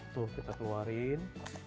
tuh kita keluarin